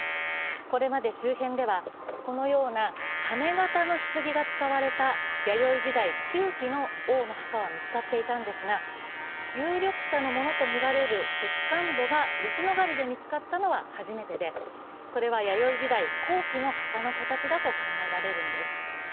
これまで周辺では、このようなカメ型のひつぎが使われた弥生時代中期の王の墓は見つかっていたんですが、有力者のものとみられる石棺墓が吉野ヶ里で見つかったのは初めてでこれは弥生時代後期の墓の形だと考えられるんです。